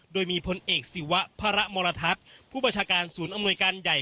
โดยมีพลเอกศิวะพระมรทัศน์ผู้บัญชาการศูนย์อำนวยการใหญ่